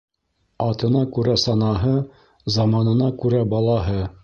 Атына күрә санаһы, заманына күрә балаһы.